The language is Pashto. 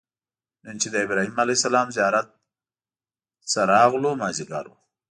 نن چې د ابراهیم علیه السلام زیارت نه راغلو مازیګر و.